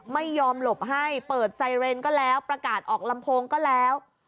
ไม่ยอมหลบให้เปิดไซเรนก็แล้วประกาศออกลำโพงก็แล้ว